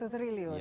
satu triliun ya